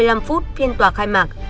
tám h ba mươi năm phút phiên tòa khai mạc